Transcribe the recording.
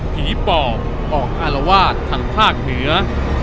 ผีปอบออกอารวาสทางภาคเหนือ